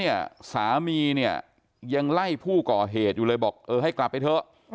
ยังไล่ผู้ก่อเหตุอยู่เลยบอกเออให้กลับไปเถอะ